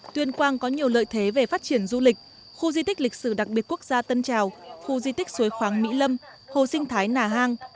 tuyên quang có nhiều lợi thế về phát triển du lịch khu di tích lịch sử đặc biệt quốc gia tân trào khu di tích suối khoáng mỹ lâm hồ sinh thái nà hang